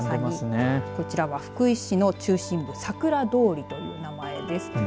こちらは福井市の中心部桜通りという名前です。